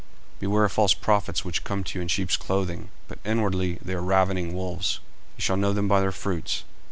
40:007:015 Beware of false prophets, which come to you in sheep's clothing, but inwardly they are ravening wolves. 40:007:016 Ye shall know them by their fruits.